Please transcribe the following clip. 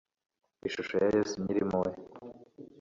ishusho ya yesu nyirimpuhwe